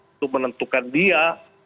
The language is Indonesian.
itu menentukan dia